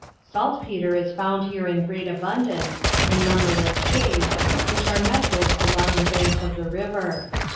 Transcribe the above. Salt petre is fond here in great abundance, in numberless caves, which are met with along the banks of the river.